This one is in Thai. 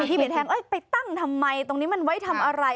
พิธีผิดทางไปตั้งทำไมตรงนี้มันไว้ทำอะไร